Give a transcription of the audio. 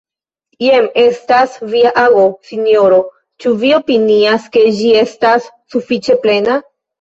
Jen estas via ago, sinjoro: ĉu vi opinias, ke ĝi estas sufiĉe plena?